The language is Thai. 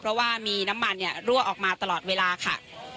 เพราะว่ามีน้ำมันรั่วออกมาตลอดเวลาค่ะ